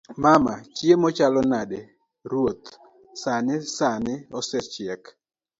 mama; chiemo chalo nade? ruoth; sani sani osechiek